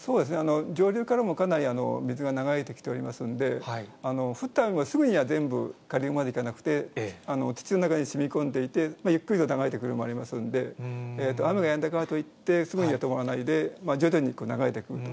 上流からもかなり水が流れてきておりますんで、降った雨が全部下流までいかなくて、地中の中にしみこんでいって、ゆっくりと流れていくものもありますんで、雨がやんだからといって、すぐには止まらないで、徐々に流れていく。